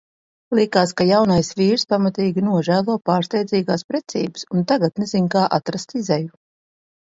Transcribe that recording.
Liekās, ka jaunais vīrs pamatīgi nožēlo pārsteidzīgās precības, un tagad nezin kā atrast izeju.